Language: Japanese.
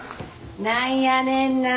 何やねんな。